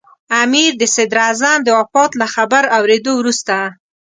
امیر د صدراعظم د وفات له خبر اورېدو وروسته.